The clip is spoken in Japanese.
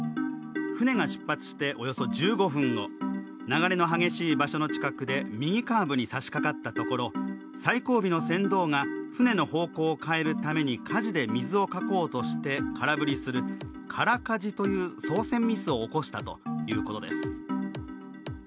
舟が出発しておよそ１５分後流れの激しい場所で右カーブにさしかかったところ、最後尾の船頭が舟の方向を変えるためにかじで水をかこうとして空振りする、空かじという操船ミスを起こしたということです。